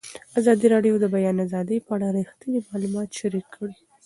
ازادي راډیو د د بیان آزادي په اړه رښتیني معلومات شریک کړي.